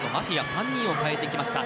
３人を代えてきました。